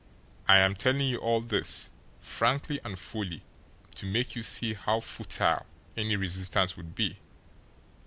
I am telling you all this, frankly and fully, to make you see how futile any resistance would be."